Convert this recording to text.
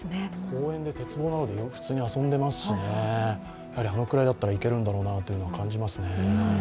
公園で鉄棒などで、普通に遊んでますしねあのくらいだったら、いけるんだろうなと感じますね。